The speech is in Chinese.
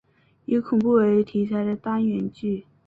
以恐怖为题材的单元剧。